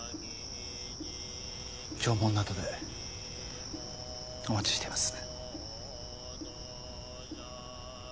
弔問の後でお待ちしています。